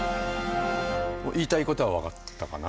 言いたいことは分かったかな。